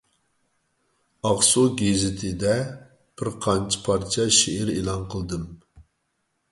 «ئاقسۇ گېزىتى»دە بىرقانچە پارچە شېئىر ئېلان قىلدىم.